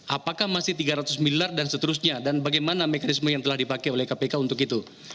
apakah masih tiga ratus miliar dan seterusnya dan bagaimana mekanisme yang telah dipakai oleh kpk untuk itu